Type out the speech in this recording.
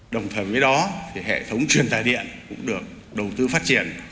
đồng thời với đó hệ thống truyền tài điện cũng được đầu tư phát triển